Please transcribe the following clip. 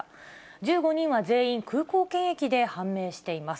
１５人は全員、空港検疫で判明しています。